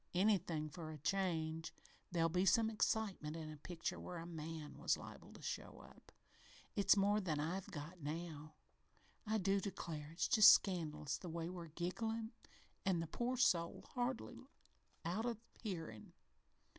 Anything for a change. There'd be some excitement in a picture where a man was liable to show up. It's more than I've got now. I do declare it's just scandalous the way we're gigglin', an' the poor soul hardly out o' hearin'.